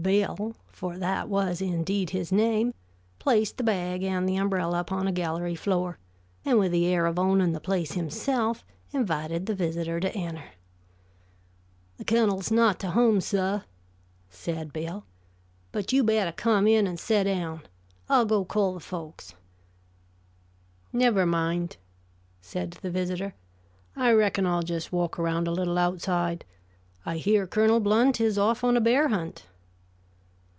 Bill, for that was indeed his name, placed the bag and umbrella upon a gallery floor, and with the air of owning the place himself, invited the visitor to enter. "The Cunnel's not to home, suh," said Bill. "But you better come in and sed down. I'll go call the folks." "Never mind," said the visitor. "I reckon I'll just walk around a little outside. I hear Colonel Blount is off on a bear hunt."